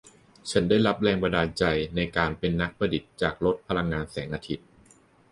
ฉันได้รับแรงบันดาลใจในการเป็นนักประดิษฐ์จากรถพลังงานแสงอาทิตย์